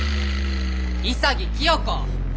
潔清子！